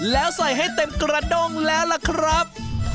แล้วใส่ให้เต็มกระด้งแล้วล่ะครับ